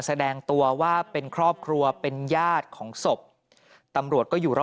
หลังจากพบศพผู้หญิงปริศนาตายตรงนี้ครับ